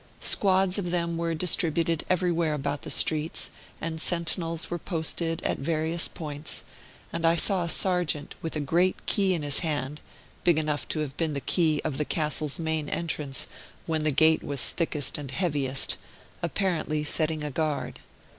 Squads of them were distributed everywhere about the streets, and sentinels were posted at various points; and I saw a sergeant, with a great key in his hand (big enough to have been the key of the castle's main entrance when the gate was thickest and heaviest), apparently setting a guard.